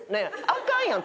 あかんやん。